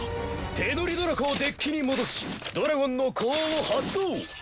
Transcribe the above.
手乗りドラコをデッキに戻しドラゴンの呼応を発動！